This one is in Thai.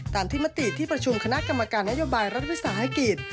ตามที่มติที่ประชุมคณะกรรมการนโยบายรัฐวิสาหกิจ